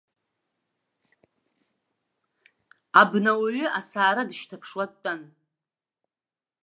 Абнауаҩы асаара дышьҭаԥшуа дтәан.